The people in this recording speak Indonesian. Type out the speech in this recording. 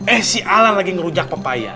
eh si alan lagi ngerunjak papaya